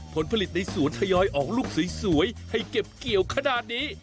ผลผลิตในสวนทยอยออกลูกสวยให้เก็บเกี่ยวขนาดนี้